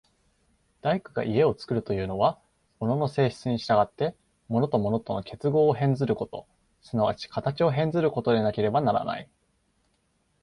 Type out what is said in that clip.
大工が家を造るというのは、物の性質に従って物と物との結合を変ずること、即ち形を変ずることでなければならない。